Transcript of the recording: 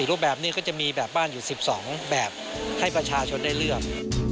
รูปแบบนี้ก็จะมีแบบบ้านอยู่๑๒แบบให้ประชาชนได้เลือก